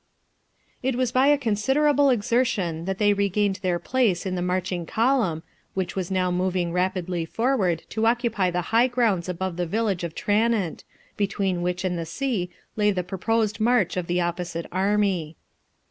It was by a considerable exertion that they regained their place in the marching column, which was now moving rapidly forward to occupy the high grounds above the village of Tranent, between which and the sea lay the purposed march of the opposite army.